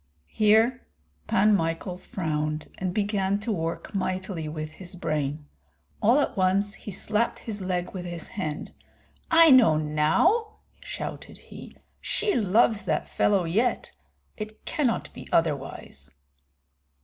Here Pan Michael frowned, and began to work mightily with his brain; all at once he slapped his leg with his hand. "I know now," shouted he; "she loves that fellow yet, it cannot be otherwise."